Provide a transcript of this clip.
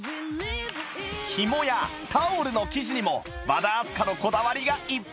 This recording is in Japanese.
ヒモやタオルの生地にも和田明日香のこだわりがいっぱい！